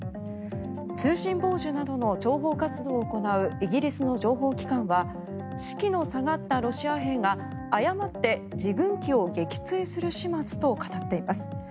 通信傍受などの諜報活動を行うイギリスの情報機関は士気の下がったロシア兵が誤って自軍機を撃墜する始末と語っています。